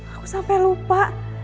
aku sampe lupa